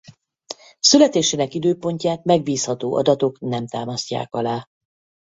Születésének időpontját megbízható adatok nem támasztják alá.